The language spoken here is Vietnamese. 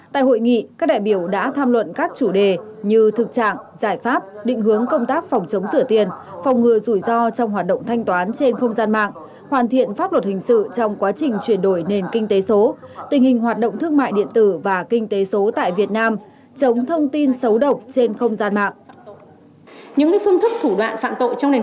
tại hội nghị các đại biểu đã tham luận các chủ đề như thực trạng giải pháp định hướng công tác phòng chống sửa tiền phòng ngừa rủi ro trong hoạt động thanh toán trên không gian mạng hoàn thiện pháp luật hình sự trong quá trình chuyển đổi nền kinh tế số tình hình hoạt động thương mại điện tử và kinh tế số tại việt nam chống thông tin xấu độc trên không gian mạng